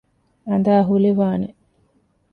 އަނދައި ހުލިވާނެ